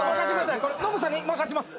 ノブさんに任せます。